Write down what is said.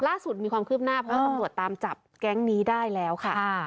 ล่าสุดมีความคืบหน้าเพราะว่าตำรวจตามจับแก๊งนี้ได้แล้วค่ะ